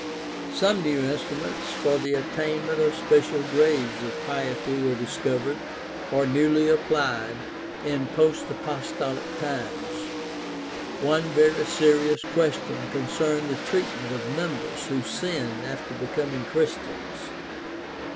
Some new instruments for the attainment of special grades of piety were discovered, or newly applied, in post apostolic times. One very serious question concerned the treatment of members who sinned after becoming Christians.